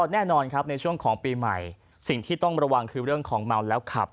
แน่นอนครับในช่วงของปีใหม่สิ่งที่ต้องระวังคือเรื่องของเมาแล้วขับ